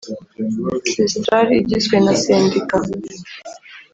Cestrar igizwe na sendika